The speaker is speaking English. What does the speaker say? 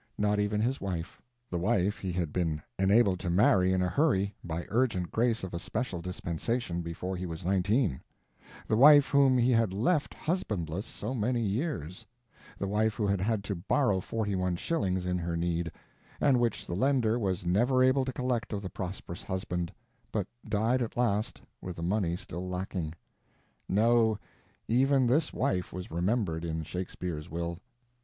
Not even his wife: the wife he had been enabled to marry in a hurry by urgent grace of a special dispensation before he was nineteen; the wife whom he had left husbandless so many years; the wife who had had to borrow forty one shillings in her need, and which the lender was never able to collect of the prosperous husband, but died at last with the money still lacking. No, even this wife was remembered in Shakespeare's will.